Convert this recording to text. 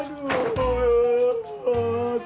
aduh toli perut abi sakit